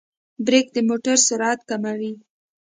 برېک د موټر سرعت کموي.